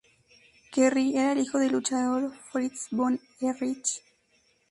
Kerry era el hijo del luchador Fritz Von Erich.